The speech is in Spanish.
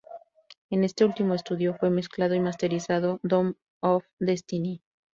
En este último estudio fue mezclado y masterizado "Doom of Destiny".